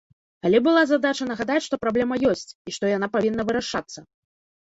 Але была задача нагадаць, што праблема ёсць, і што яна павінна вырашацца.